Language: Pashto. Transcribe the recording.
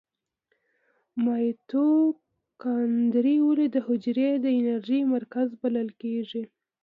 مایتوکاندري ولې د حجرې د انرژۍ مرکز بلل کیږي؟